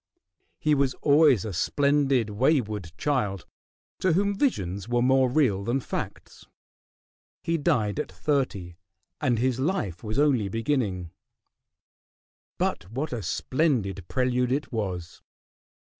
He was always a splendid, wayward child, to whom visions were more real than facts. He died at thirty, and his life was only beginning. But what a splendid prelude it was!